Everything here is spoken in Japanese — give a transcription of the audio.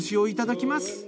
いただきます。